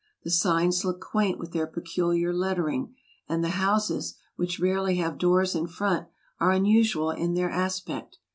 The signs look quaint with their peculiar lettering, and the houses, which rarely have doors in front, are unusual in their aspect.